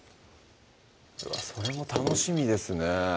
うわそれも楽しみですね